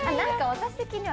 私的には。